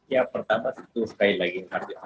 ya pertama sekali lagi